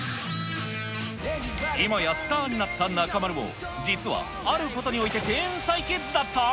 今やスターになった中丸も、実はあることにおいて天才キッズだった？